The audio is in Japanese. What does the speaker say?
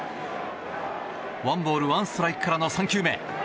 ワンボールワンストライクからの３球目。